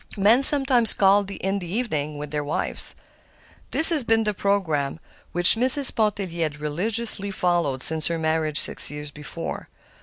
Men sometimes called in the evening with their wives. This had been the programme which Mrs. Pontellier had religiously followed since her marriage, six years before.